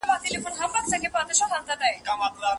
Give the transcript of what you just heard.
هله قربان دې شمه هله صدقه دې شمه